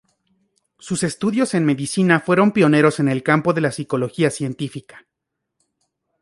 Sus estudios en medicina fueron pioneros en el campo de la psicología científica.